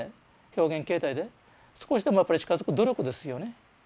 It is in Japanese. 表現形態で少しでもやっぱり近づく努力ですよね。